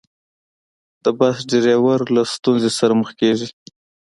د بس ډریور له ستونزې سره مخ کېږي.